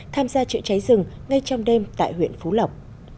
tham gia chữa cháy rừng ngay trong đêm tại huyện phú lộc